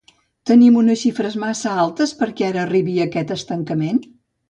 Tenim unes xifres massa altes perquè ara arribi aquest estancament?